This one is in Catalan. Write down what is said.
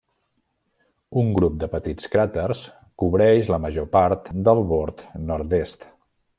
Un grup de petits cràters cobreix la major part del bord nord-est.